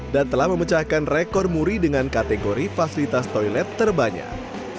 dan telah memecahkan rekor muri dengan kategori fasilitas toilet terbanyak